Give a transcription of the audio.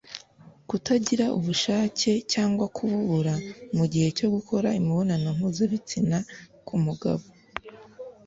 Kutagira ubushake cyangwa kububura mu gihe cyo gukora imibonano mpuzabitsina k’umugabo